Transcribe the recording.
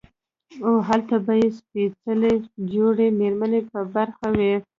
او هلته به ئې سپېڅلې جوړې ميرمنې په برخه وي